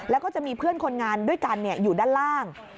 แล้วก็จะมีเพื่อนคนงานด้วยกันอยู่ด้านล่าง